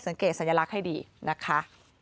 สังเกตสัญลักษณ์ให้ดีนะคะ